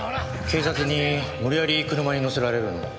警察に無理やり車に乗せられるのを。